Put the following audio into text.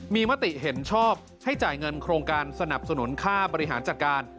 มีมติเห็นชอบให้จ่ายเงินโครงการสนับสนุนค่าบริหารจัดการ